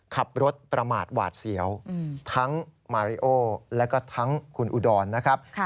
ขับรถประมาทหวาดเสียวทั้งมาริโอแล้วก็ทั้งคุณอุดรนะครับ